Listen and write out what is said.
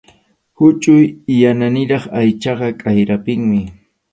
Huchʼuy yananiraq aychaqa k’ayrapinmi.